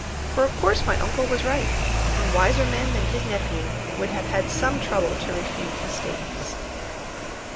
For of course my uncle was right, and wiser men than his nephew would have had some trouble to refute his statements.